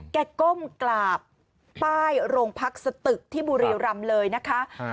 ก้มกราบป้ายโรงพักสตึกที่บุรีรำเลยนะคะ